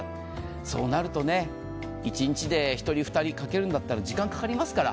そうなるとね、一日で１人２人かけるんだったら時間かかりますから。